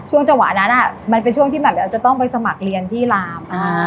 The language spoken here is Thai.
ช่วงจังหวะนั้นอ่ะมันเป็นช่วงที่แม่มจะต้องไปสมัครเรียนที่ราม